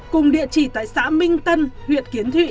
cùng địa chỉ tại xã minh tân huyện kiến thụy